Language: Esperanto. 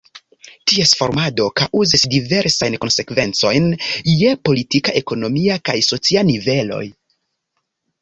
Ties formado kaŭzis diversajn konsekvencojn je politika, ekonomia kaj socia niveloj.